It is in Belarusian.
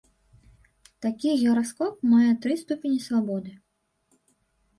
Такі гіраскоп мае тры ступені свабоды.